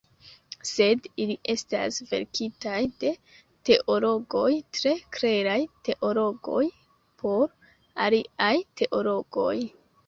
Sed ili estas verkitaj de teologoj, tre kleraj teologoj, por aliaj teologoj.